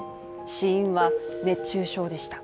死因は熱中症でした。